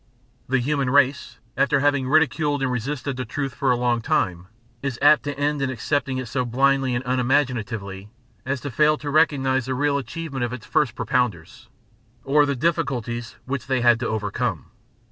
The human race, after having ridiculed and resisted the truth for a long time, is apt to end in accepting it so blindly and unimaginatively as to fail to recognize the real achievement of its first propounders, or the difficulties which they had to overcome.